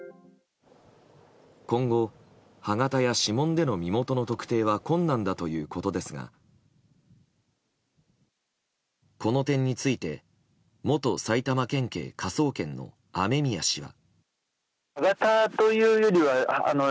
今後歯型や指紋での身元の特定は困難だということですがこの点について元埼玉県警科捜研の雨宮氏は。